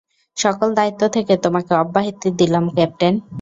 সকল দায়িত্ব থেকে তোমাকে অব্যাহতি দিলাম, ক্যাপ্টেন।